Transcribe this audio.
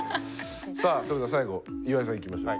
さあそれでは最後岩井さんいきましょう。